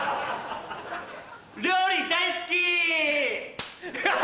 料理大好き！